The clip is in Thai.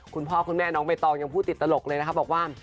คุณพ่อคุณแม่น้องใบตองยังพูดติดตลกเลยนะคะบอกว่า